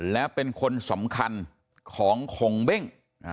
และเป็นคนสำคัญของคงเบ้ง